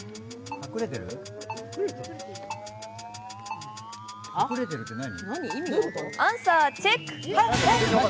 隠れてるって何？